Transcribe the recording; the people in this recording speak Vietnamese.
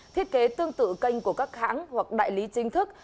thiết kế tương tự kênh của các hãng hoặc đại lý chính thức